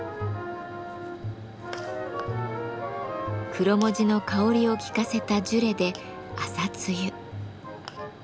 クロモジの香りを効かせたジュレで朝露。